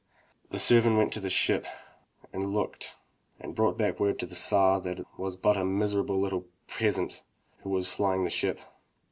The servant went to the ship and looked and brought back word to the Tsar that it was but a miserable little peasant who was flying the ship.